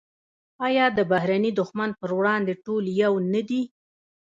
آیا د بهرني دښمن پر وړاندې ټول یو نه دي؟